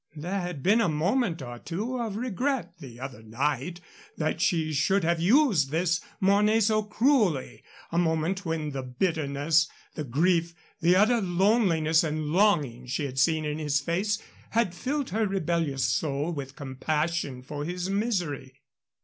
There had been a moment or two of regret the other night that she should have used this Mornay so cruelly, a moment when the bitterness, the grief, the utter loneliness and longing she had seen in his face had filled her rebellious soul with compassion for his misery.